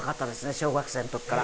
小学生の時から。